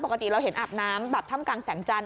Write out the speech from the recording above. ปกติเราเห็นอาบน้ำแบบถ้ำกลางแสงจันท